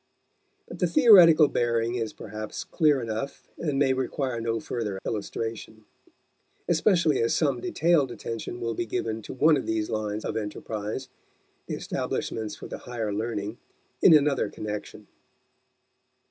But the theoretical bearing is perhaps clear enough and may require no further illustration; especially as some detailed attention will be given to one of these lines of enterprise the establishments for the higher learning in another connection.